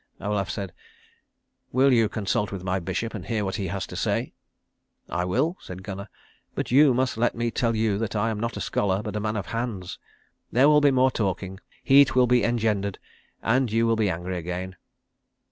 Olaf said, "Will you consult with my bishop, and hear what he has to say?" "I will," said Gunnar, "but you must let me tell you that I am not a scholar, but a man of hands. There will be more talking. Heat will be engendered, and you will be angry again."